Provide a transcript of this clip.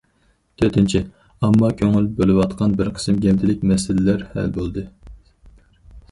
تۆتىنچى، ئامما كۆڭۈل بۆلۈۋاتقان بىر قىسىم گەۋدىلىك مەسىلىلەر ھەل بولدى.